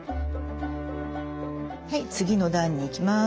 はい次の段にいきます。